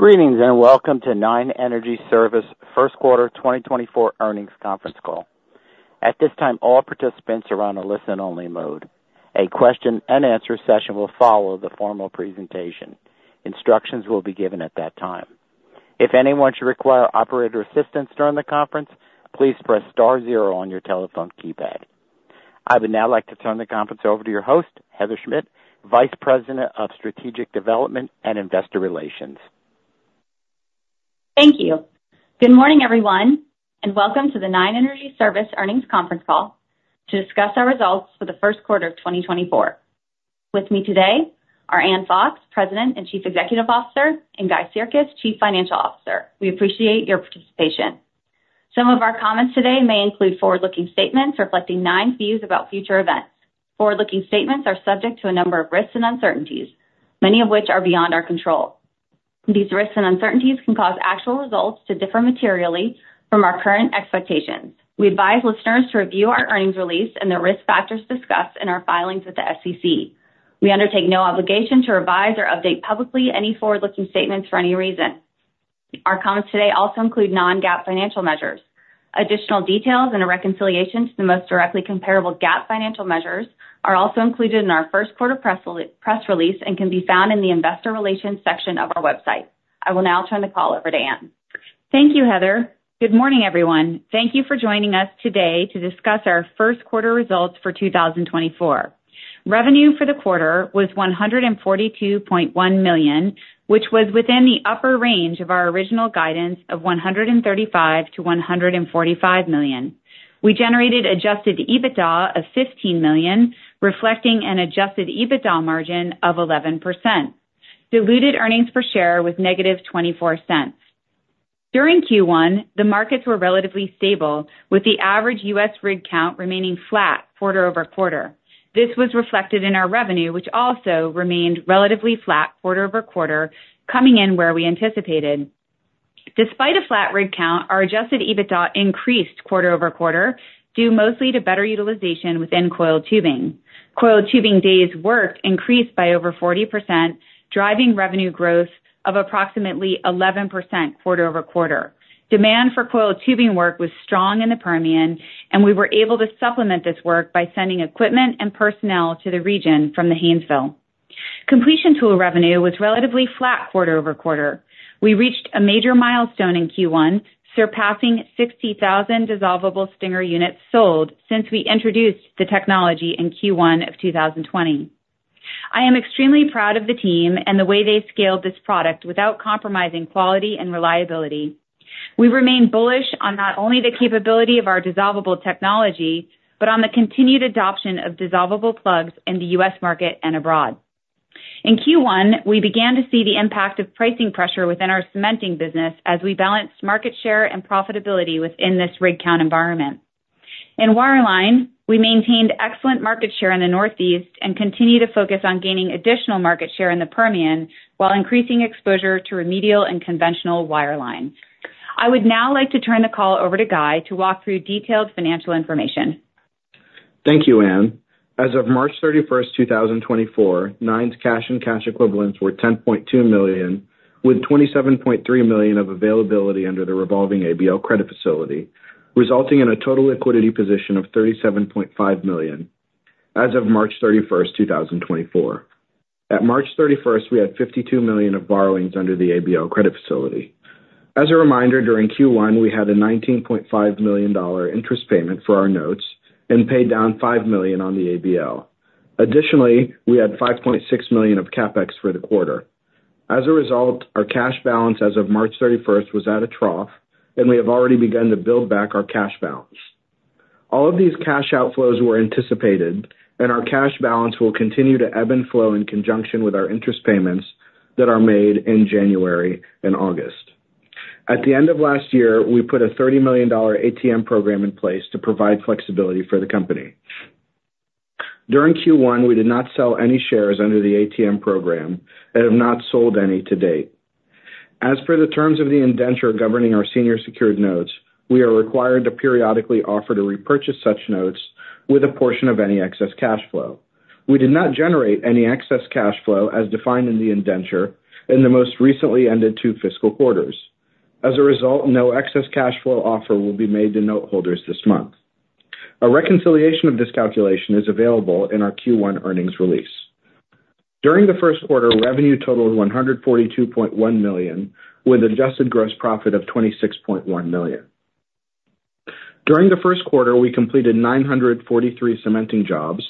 Greetings, and welcome to Nine Energy Service First Quarter 2024 Earnings Conference Call. At this time, all participants are on a listen-only mode. A question and answer session will follow the formal presentation. Instructions will be given at that time. If anyone should require operator assistance during the conference, please press star zero on your telephone keypad. I would now like to turn the conference over to your host, Heather Schmidt, Vice President of Strategic Development and Investor Relations. Thank you. Good morning, everyone, and welcome to the Nine Energy Service earnings conference call to discuss our results for the first quarter of 2024. With me today are Ann Fox, President and Chief Executive Officer, and Guy Sirkes, Chief Financial Officer. We appreciate your participation. Some of our comments today may include forward-looking statements reflecting Nine's views about future events. Forward-looking statements are subject to a number of risks and uncertainties, many of which are beyond our control. These risks and uncertainties can cause actual results to differ materially from our current expectations. We advise listeners to review our earnings release and the risk factors discussed in our filings with the SEC. We undertake no obligation to revise or update publicly any forward-looking statements for any reason. Our comments today also include non-GAAP financial measures. Additional details and a reconciliation to the most directly comparable GAAP financial measures are also included in our first quarter press release and can be found in the investor relations section of our website. I will now turn the call over to Ann. Thank you, Heather. Good morning, everyone. Thank you for joining us today to discuss our first quarter results for 2024. Revenue for the quarter was $142.1 million, which was within the upper range of our original guidance of $135 million-$145 million. We generated Adjusted EBITDA of $15 million, reflecting an Adjusted EBITDA margin of 11%. Diluted earnings per share was -$0.24. During Q1, the markets were relatively stable, with the average U.S. rig count remaining flat quarter-over-quarter. This was reflected in our revenue, which also remained relatively flat quarter-over-quarter, coming in where we anticipated. Despite a flat rig count, our Adjusted EBITDA increased quarter-over-quarter, due mostly to better utilization within Coiled Tubing. Coiled Tubing days worked increased by over 40%, driving revenue growth of approximately 11% quarter-over-quarter. Demand for Coiled Tubing work was strong in the Permian, and we were able to supplement this work by sending equipment and personnel to the region from the Haynesville. Completion tool revenue was relatively flat quarter-over-quarter. We reached a major milestone in Q1, surpassing 60,000 dissolvable Stinger units sold since we introduced the technology in Q1 of 2020. I am extremely proud of the team and the way they scaled this product without compromising quality and reliability. We remain bullish on not only the capability of our dissolvable technology, but on the continued adoption of dissolvable plugs in the U.S. market and abroad. In Q1, we began to see the impact of pricing pressure within our cementing business as we balanced market share and profitability within this rig count environment. In wireline, we maintained excellent market share in the Northeast and continue to focus on gaining additional market share in the Permian, while increasing exposure to remedial and conventional wireline. I would now like to turn the call over to Guy to walk through detailed financial information. Thank you, Ann. As of March 31st, 2024, Nine's cash and cash equivalents were $10.2 million, with $27.3 million of availability under the revolving ABL credit facility, resulting in a total liquidity position of $37.5 million as of March 31st, 2024. At March 31st, we had $52 million of borrowings under the ABL credit facility. As a reminder, during Q1, we had a $19.5 million dollar interest payment for our notes and paid down $5 million on the ABL. Additionally, we had $5.6 million of CapEx for the quarter. As a result, our cash balance as of March thirty-first was at a trough, and we have already begun to build back our cash balance. All of these cash outflows were anticipated, and our cash balance will continue to ebb and flow in conjunction with our interest payments that are made in January and August. At the end of last year, we put a $30 million ATM program in place to provide flexibility for the company. During Q1, we did not sell any shares under the ATM program and have not sold any to date. As for the terms of the indenture governing our senior secured notes, we are required to periodically offer to repurchase such notes with a portion of any excess cash flow. We did not generate any excess cash flow as defined in the indenture in the most recently ended two fiscal quarters. As a result, no excess cash flow offer will be made to note holders this month. A reconciliation of this calculation is available in our Q1 earnings release. During the first quarter, revenue totaled $142.1 million, with adjusted gross profit of $26.1 million. During the first quarter, we completed 943 cementing jobs,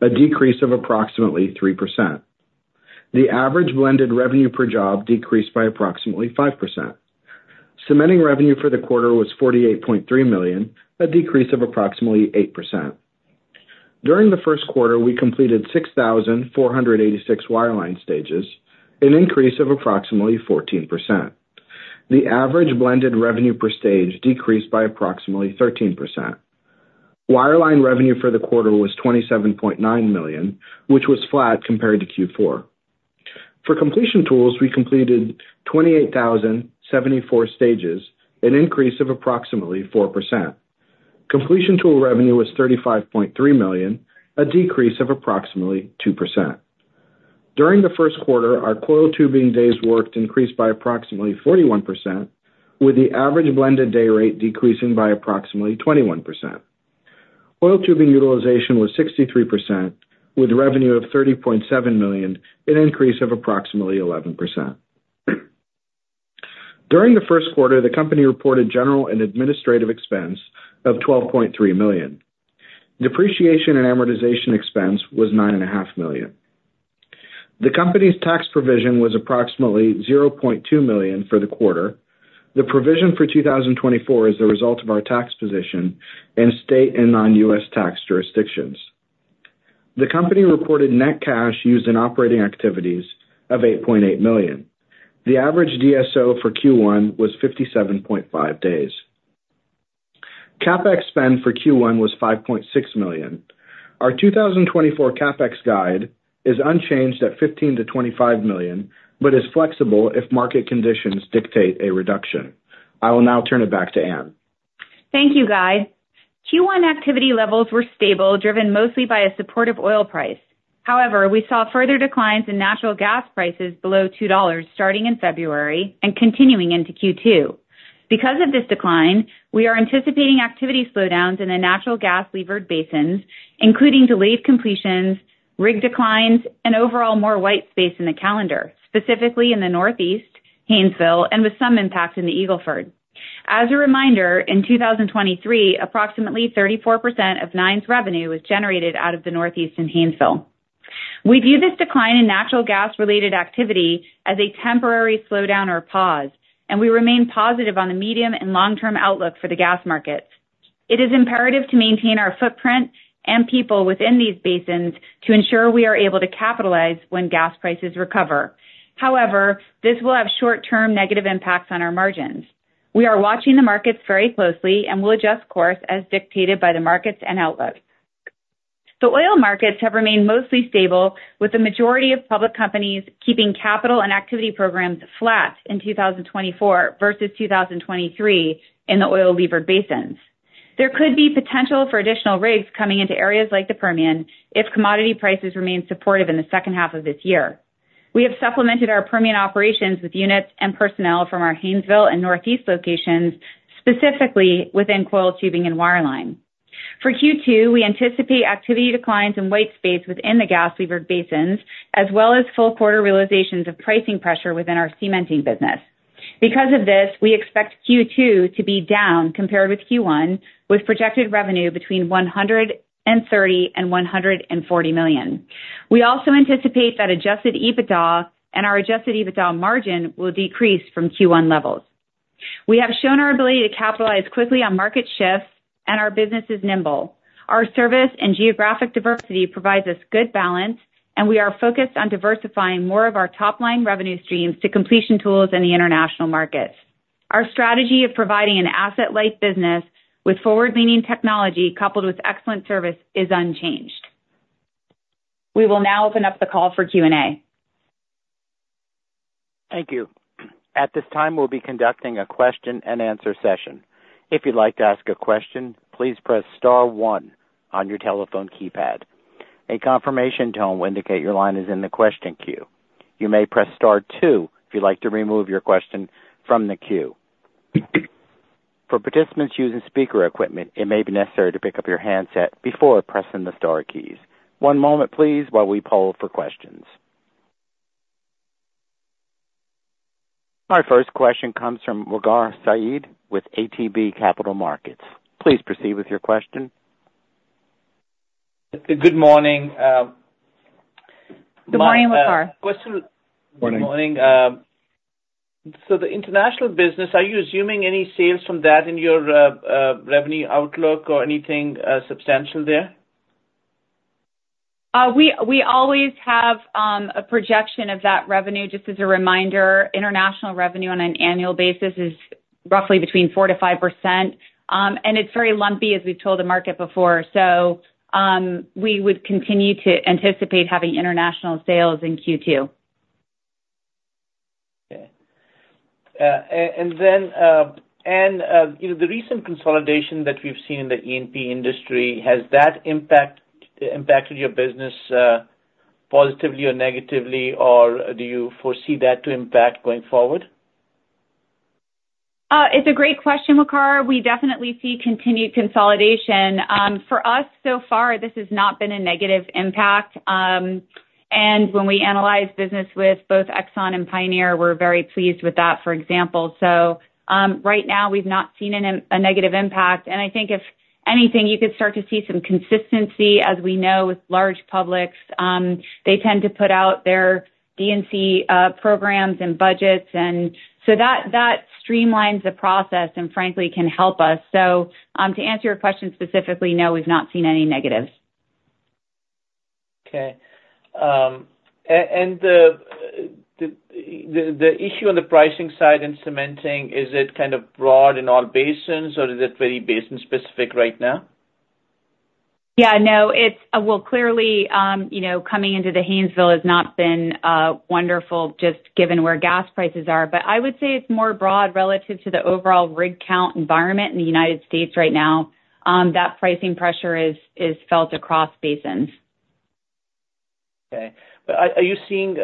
a decrease of approximately 3%. The average blended revenue per job decreased by approximately 5%. Cementing revenue for the quarter was $48.3 million, a decrease of approximately 8%. During the first quarter, we completed 6,486 wireline stages, an increase of approximately 14%. The average blended revenue per stage decreased by approximately 13%. Wireline revenue for the quarter was $27.9 million, which was flat compared to Q4. For Completion Tools, we completed 28,074 stages, an increase of approximately 4%. Completion tool revenue was $35.3 million, a decrease of approximately 2%. During the first quarter, our Coiled Tubing days worked increased by approximately 41%, with the average blended day rate decreasing by approximately 21%. Coiled Tubing utilization was 63%, with revenue of $30.7 million, an increase of approximately 11%. During the first quarter, the company reported general and administrative expense of $12.3 million. Depreciation and amortization expense was $9.5 million. The company's tax provision was approximately $0.2 million for the quarter. The provision for 2024 is the result of our tax position in state and non-U.S. tax jurisdictions. The company reported net cash used in operating activities of $8.8 million. The average DSO for Q1 was 57.5 days. CapEx spend for Q1 was $5.6 million. Our 2024 CapEx guide is unchanged at $15 million-$25 million, but is flexible if market conditions dictate a reduction. I will now turn it back to Ann. Thank you, Guy. Q1 activity levels were stable, driven mostly by a supportive oil price. However, we saw further declines in natural gas prices below $2, starting in February and continuing into Q2. Because of this decline, we are anticipating activity slowdowns in the natural gas-levered basins, including delayed completions, rig declines, and overall more white space in the calendar, specifically in the Northeast, Haynesville, and with some impact in the Eagle Ford. As a reminder, in 2023, approximately 34% of Nine's revenue was generated out of the Northeast and Haynesville. We view this decline in natural gas-related activity as a temporary slowdown or pause, and we remain positive on the medium and long-term outlook for the gas markets. It is imperative to maintain our footprint and people within these basins to ensure we are able to capitalize when gas prices recover. However, this will have short-term negative impacts on our margins. We are watching the markets very closely and will adjust course as dictated by the markets and outlook. The oil markets have remained mostly stable, with the majority of public companies keeping capital and activity programs flat in 2024 versus 2023 in the oil-levered basins. There could be potential for additional rigs coming into areas like the Permian if commodity prices remain supportive in the second half of this year. We have supplemented our Permian operations with units and personnel from our Haynesville and Northeast locations, specifically within Coiled Tubing and wireline. For Q2, we anticipate activity declines in white space within the gas-levered basins, as well as full quarter realizations of pricing pressure within our cementing business. Because of this, we expect Q2 to be down compared with Q1, with projected revenue between $130 million-$140 million. We also anticipate that Adjusted EBITDA and our Adjusted EBITDA Margin will decrease from Q1 levels. We have shown our ability to capitalize quickly on market shifts, and our business is nimble. Our service and geographic diversity provides us good balance, and we are focused on diversifying more of our top-line revenue streams to Completion Tools in the international markets. Our strategy of providing an asset-light business with forward-leaning technology, coupled with excellent service, is unchanged. We will now open up the call for Q&A. Thank you. At this time, we'll be conducting a question-and-answer session. If you'd like to ask a question, please press star one on your telephone keypad. A confirmation tone will indicate your line is in the question queue. You may press star two if you'd like to remove your question from the queue. For participants using speaker equipment, it may be necessary to pick up your handset before pressing the star keys. One moment, please, while we poll for questions. Our first question comes from Waqar Syed with ATB Capital Markets. Please proceed with your question. Good morning. Good morning, Waqar. My question- Good morning. Good morning. So the international business, are you assuming any sales from that in your revenue outlook or anything substantial there? We always have a projection of that revenue. Just as a reminder, international revenue on an annual basis is roughly between 4%-5%, and it's very lumpy, as we've told the market before. So, we would continue to anticipate having international sales in Q2. Okay. And then, you know, the recent consolidation that we've seen in the E&P industry, has that impacted your business positively or negatively, or do you foresee that to impact going forward? It's a great question, Waqar. We definitely see continued consolidation. For us, so far, this has not been a negative impact. And when we analyze business with both Exxon and Pioneer, we're very pleased with that, for example. Right now, we've not seen a negative impact, and I think, if anything, you could start to see some consistency. As we know, with large publics, they tend to put out their D&C programs and budgets, and so that streamlines the process and frankly, can help us. To answer your question specifically, no, we've not seen any negatives. Okay. And the issue on the pricing side in cementing, is it kind of broad in all basins, or is it very basin-specific right now? Yeah, no, it's well, clearly, you know, coming into the Haynesville has not been wonderful, just given where gas prices are. But I would say it's more broad relative to the overall rig count environment in the United States right now. That pricing pressure is felt across basins. Okay. But are you seeing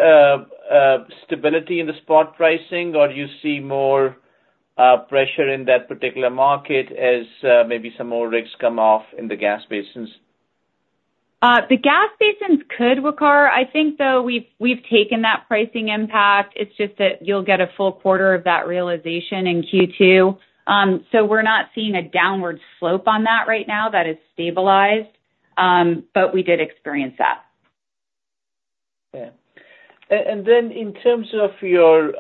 stability in the spot pricing, or do you see more pressure in that particular market as maybe some more rigs come off in the gas basins? The gas basins could, Waqar. I think, though, we've taken that pricing impact. It's just that you'll get a full quarter of that realization in Q2. So we're not seeing a downward slope on that right now. That is stabilized, but we did experience that. Yeah. And then in terms of your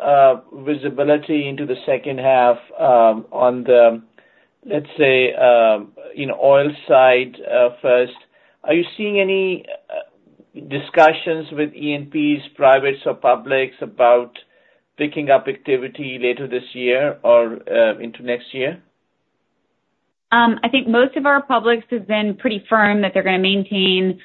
visibility into the second half, on the, let's say, you know, oil side, first, are you seeing any discussions with E&Ps, privates or publics, about picking up activity later this year or into next year? I think most of our publics have been pretty firm that they're gonna maintain,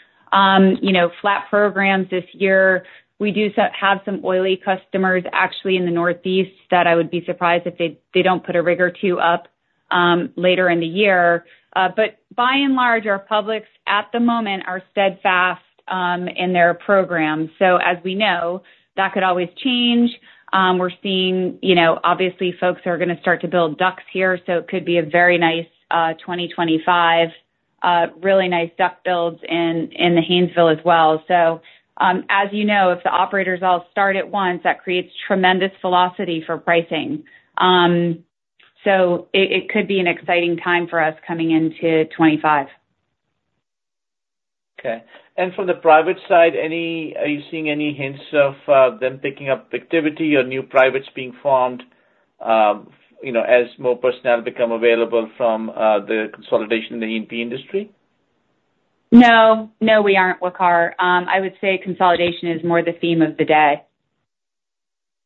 you know, flat programs this year. We do have some oily customers actually in the Northeast, that I would be surprised if they don't put a rig or two up later in the year. But by and large, our publics, at the moment, are steadfast in their program. So as we know, that could always change. We're seeing, you know, obviously, folks are gonna start to build DUCs here, so it could be a very nice 2025, really nice DUC builds in the Haynesville as well. So, as you know, if the operators all start at once, that creates tremendous velocity for pricing. So it could be an exciting time for us coming into 2025. Okay. And from the private side, are you seeing any hints of them picking up activity or new privates being formed, you know, as more personnel become available from the consolidation in the E&P industry? No. No, we aren't, Waqar. I would say consolidation is more the theme of the day.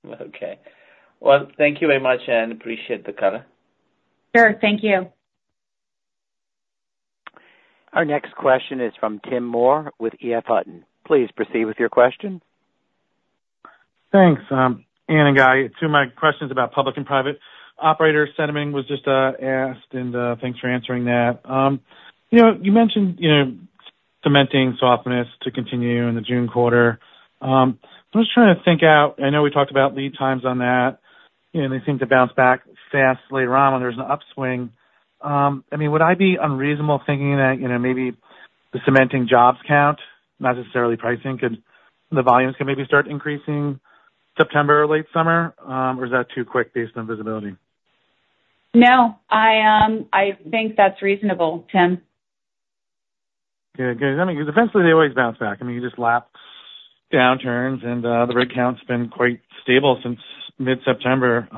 Okay. Well, thank you very much, and appreciate the color. Sure. Thank you. Our next question is from Tim Moore with EF Hutton. Please proceed with your question. Thanks, Ann and Guy. Two of my questions about public and private operators. Cementing was just asked, and thanks for answering that. You know, you mentioned, you know, cementing softness to continue in the June quarter. I'm just trying to think out, I know we talked about lead times on that, you know, and they seem to bounce back fast later on when there's an upswing. I mean, would I be unreasonable thinking that, you know, maybe the cementing jobs count, not necessarily pricing, could-- the volumes could maybe start increasing September, late summer, or is that too quick based on visibility? No, I think that's reasonable, Tim. Okay. Good. I mean, defensively, they always bounce back. I mean, you just lap downturns, and the rig count's been quite stable since mid-September, especially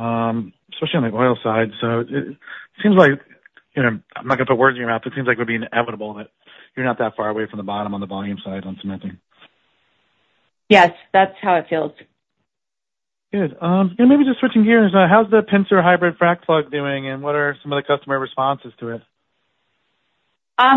on the oil side. So it, it seems like, you know, I'm not gonna put words in your mouth, it seems like it would be inevitable that you're not that far away from the bottom on the volume side on cementing. Yes, that's how it feels. Good. And maybe just switching gears now, how's the Pincer Hybrid Frac Plug doing, and what are some of the customer responses to it?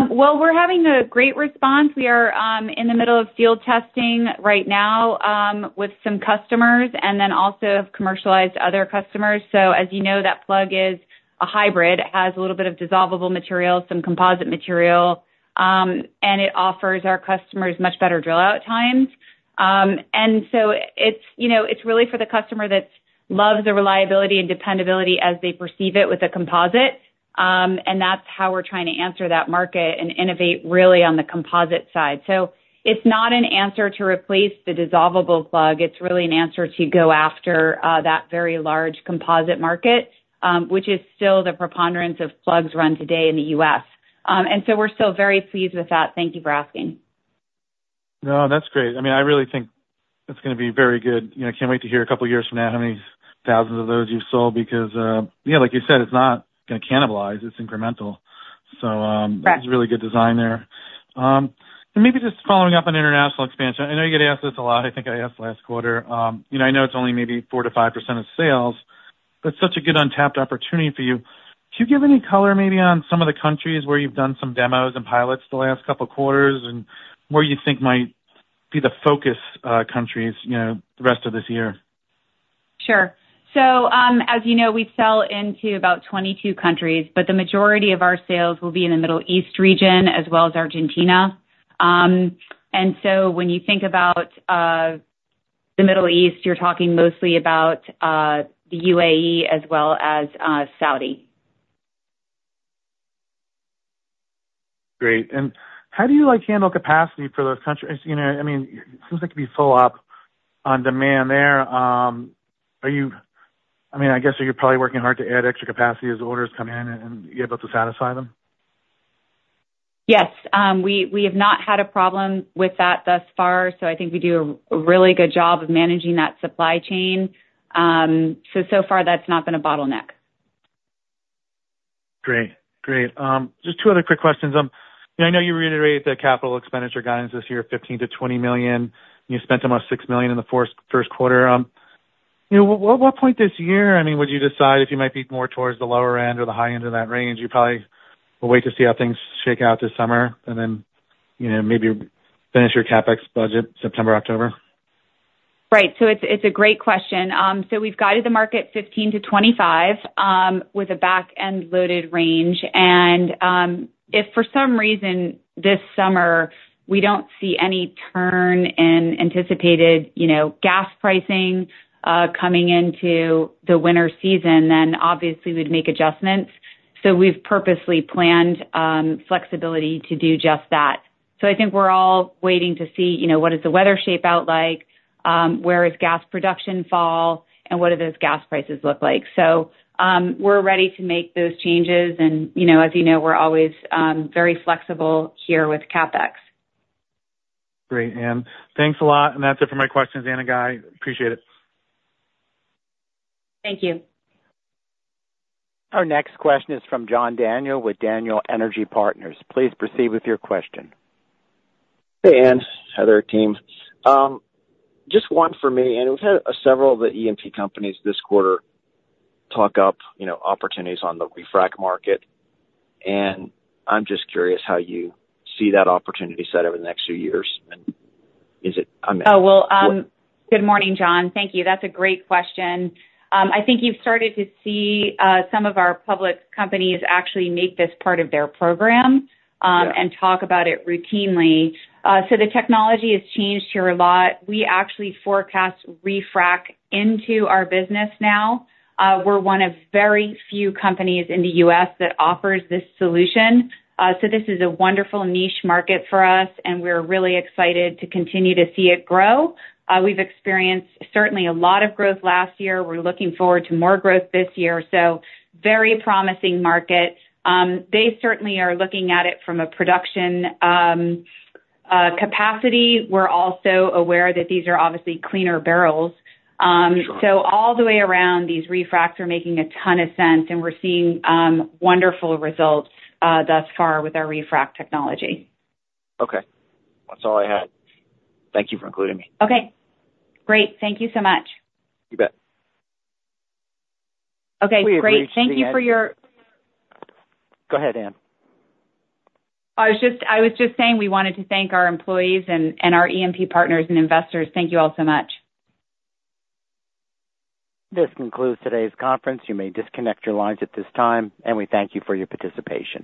Well, we're having a great response. We are in the middle of field testing right now with some customers, and then also have commercialized other customers. So as you know, that plug is a hybrid. It has a little bit of dissolvable material, some composite material, and it offers our customers much better drill-out times. And so it's, you know, it's really for the customer that loves the reliability and dependability as they perceive it with a composite. And that's how we're trying to answer that market and innovate really on the composite side. So it's not an answer to replace the dissolvable plug. It's really an answer to go after that very large composite market, which is still the preponderance of plugs run today in the U.S. And so we're still very pleased with that. Thank you for asking. No, that's great. I mean, I really think it's gonna be very good. You know, I can't wait to hear a couple of years from now how many thousands of those you've sold, because, yeah, like you said, it's not gonna cannibalize. It's incremental. So, Right. It's a really good design there. And maybe just following up on international expansion, I know you get asked this a lot. I think I asked last quarter. You know, I know it's only maybe 4%-5% of sales, but such a good untapped opportunity for you. Could you give any color maybe on some of the countries where you've done some demos and pilots the last couple of quarters, and where you think might be the focus countries, you know, the rest of this year? Sure. So, as you know, we sell into about 22 countries, but the majority of our sales will be in the Middle East region, as well as Argentina. And so when you think about the Middle East, you're talking mostly about the U.A.E. as well as Saudi. Great. And how do you, like, handle capacity for those countries? You know, I mean, it seems like you'd be full up on demand there. Are you... I mean, I guess you're probably working hard to add extra capacity as orders come in and you're able to satisfy them? Yes. We have not had a problem with that thus far, so I think we do a really good job of managing that supply chain. So far, that's not been a bottleneck. Great. Great. Just two other quick questions. I know you reiterated the capital expenditure guidance this year, $15 million-$20 million, and you spent almost $6 million in the first quarter. You know, what point this year, I mean, would you decide if you might be more towards the lower end or the high end of that range? You probably will wait to see how things shake out this summer, and then, you know, maybe finish your CapEx budget September, October? Right. So it's a great question. So we've guided the market $15 million-$25 million, with a back-end loaded range. If for some reason this summer we don't see any turn in anticipated, you know, gas pricing, coming into the winter season, then obviously we'd make adjustments. So we've purposely planned, flexibility to do just that. So I think we're all waiting to see, you know, what does the weather shape out like, where does gas production fall, and what do those gas prices look like? So, we're ready to make those changes, and, you know, as you know, we're always, very flexible here with CapEx. Great, Ann. Thanks a lot, and that's it for my questions, Ann and Guy. Appreciate it. Thank you. Our next question is from John Daniel with Daniel Energy Partners. Please proceed with your question. Hey, Ann, Heather, team. Just one for me, and we've had several of the E&P companies this quarter talk up, you know, opportunities on the Refrac market. And I'm just curious how you see that opportunity set over the next few years, and is it, I mean- Oh, well, good morning, John. Thank you. That's a great question. I think you've started to see some of our public companies actually make this part of their program. Yeah... and talk about it routinely. So the technology has changed here a lot. We actually forecast Refrac into our business now. We're one of very few companies in the U.S. that offers this solution. So this is a wonderful niche market for us, and we're really excited to continue to see it grow. We've experienced certainly a lot of growth last year. We're looking forward to more growth this year, so very promising market. They certainly are looking at it from a production capacity. We're also aware that these are obviously cleaner barrels. Sure. All the way around, these Refracs are making a ton of sense, and we're seeing wonderful results thus far with our Refrac Technology. Okay. That's all I had. Thank you for including me. Okay, great. Thank you so much. You bet. Okay, great. We agree- Thank you for your- Go ahead, Ann. I was just saying we wanted to thank our employees and our E&P partners and investors. Thank you all so much. This concludes today's conference. You may disconnect your lines at this time, and we thank you for your participation.